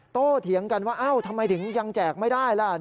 เถียงกันว่าเอ้าทำไมถึงยังแจกไม่ได้ล่ะ